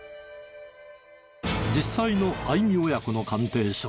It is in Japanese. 実際の相見親子の鑑定書。